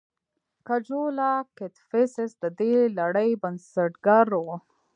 کجولا کدفیسس د دې لړۍ بنسټګر و